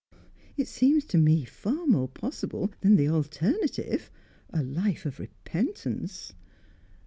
"It seems to me far more possible then the alternative a life of repentence."